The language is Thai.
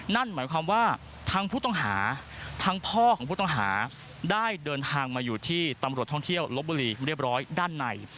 นั่นหมายความว่าทั้งผู้ต้องหาทั้งพ่อของผู้ต้องหาได้เดินทางมาอยู่ที่ตำรวจท่องเที่ยวลบบุรีเรียบร้อยด้านใน